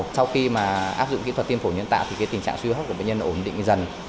sau khi mà áp dụng kỹ thuật tiêm phổi nhân tạo thì tình trạng suy hô hấp của bệnh nhân ổn định dần